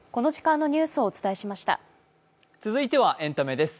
続いてはエンタメです。